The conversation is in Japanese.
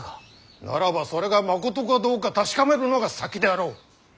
ならばそれがまことかどうか確かめるのが先であろう。